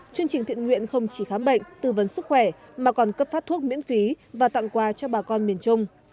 chương trình thiện nguyện không chỉ khám bệnh tư vấn sức khỏe mà còn cấp phát thuốc miễn phí và tặng quà cho bà con miền trung